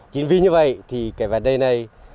chính vì như vậy thì cái vấn đề này